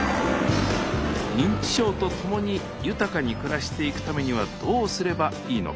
認知症とともに豊かに暮らしていくためにはどうすればいいのか。